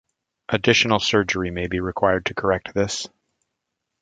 Additional surgery may be required to correct this.